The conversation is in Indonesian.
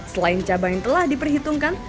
selain cabai yang telah diperhitungkan